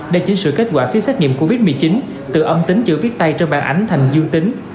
để chỉnh sửa kết quả phiếu xét nghiệm covid một mươi chín từ âm tính chữ viết tay trên bàn ảnh thành dương tính